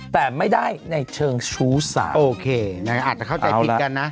แต่ไม่ได้ในเชิงชู้สาวโอเคอาจจะเข้าใจผิดกันนะ